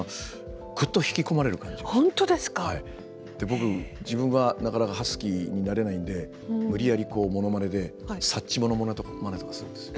僕自分はなかなかハスキーになれないんで無理やりこうものまねでサッチモのものまねとかするんです。